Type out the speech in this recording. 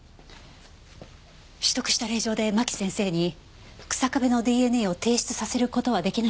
取得した令状で真木先生に日下部のＤＮＡを提出させる事は出来ないわよね。